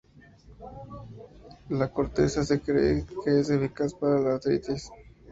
La corteza se cree que es eficaz para la artritis.